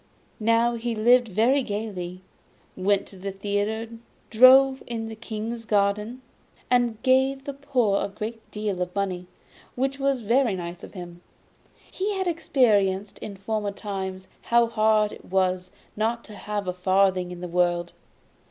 Now he lived very gaily, went to the theatre, drove in the King's garden, and gave the poor a great deal of money, which was very nice of him; he had experienced in former times how hard it is not to have a farthing in the world.